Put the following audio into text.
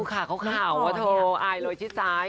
ขาเขาขาวอายเลยที่ซ้าย